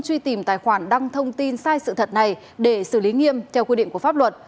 truy tìm tài khoản đăng thông tin sai sự thật này để xử lý nghiêm theo quy định của pháp luật